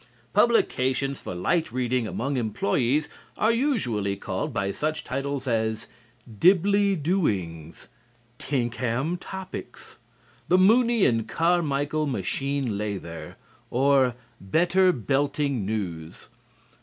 Publications for light reading among employees are usually called by such titles as "Diblee Doings," "Tinkham Topics," "The Mooney and Carmiechal Machine Lather" or "Better Belting News."